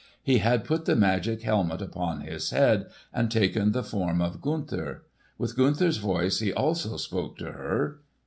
He had put the magic helmet upon his head and taken the form of Gunther. With Gunther's voice he also spoke to her.